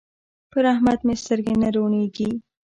پر احمد مې سترګې نه روڼېږي.